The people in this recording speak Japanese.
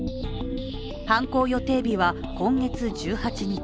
犯行予定日は今月１８日。